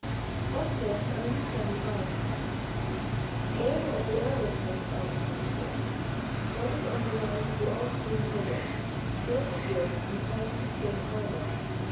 Austria had only seven ironclads. All were of the earlier type of armour clad ships, modelled on the lines of the old steam frigates, built of wood, and plated with thin armour.